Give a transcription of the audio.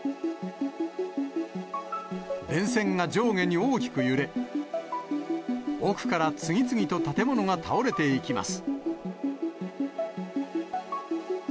電線が上下に大きく揺れ、奥から次々と建物が倒れていきます。